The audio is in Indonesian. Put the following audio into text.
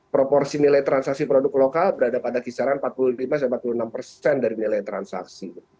proporsi nilai transaksi produk lokal berada pada kisaran empat puluh lima empat puluh enam dari nilai transaksi